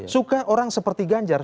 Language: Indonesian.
suka orang seperti ganjar